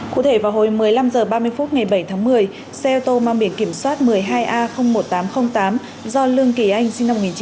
cụ thể vào hồi một mươi năm h ba mươi phút ngày bảy tháng một mươi xe ô tô mang biển kiểm soát một mươi hai a một nghìn tám trăm linh tám do lương kỳ anh sinh